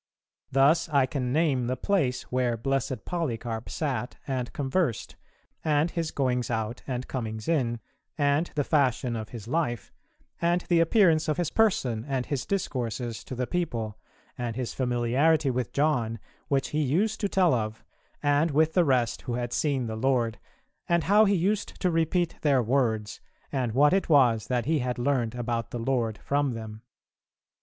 Thus I can name the place where blessed Polycarp sat and conversed, and his goings out and comings in, and the fashion of his life, and the appearance of his person, and his discourses to the people, and his familiarity with John, which he used to tell of, and with the rest who had seen the Lord, and how he used to repeat their words, and what it was that he had learned about the Lord from them.